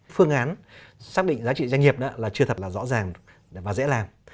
phương án xác định giá trị doanh nghiệp đó là chưa thật là rõ ràng và dễ làm